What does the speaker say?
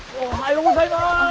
おはようございます。